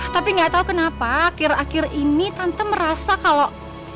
tapi nggak tahu kenapa akhir akhir ini tante merasa kalau